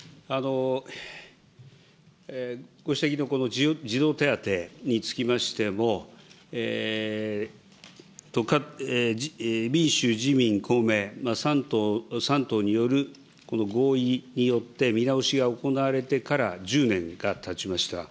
ご指摘のこの児童手当につきましても、民主、自民、公明３党による合意によって見直しが行われてから１０年がたちました。